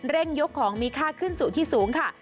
ยกของมีค่าขึ้นสู่ที่สูงค่ะ